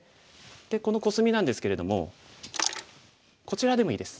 でこのコスミなんですけれどもこちらでもいいです。